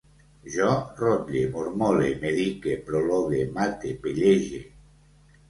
Jo rotlle, mormole, medique, prologue, mate, pellege